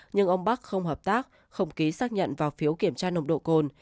nhưng ông bắc không hợp tác không ký xác nhận vào phiếu kiểm tra nồng độ cồn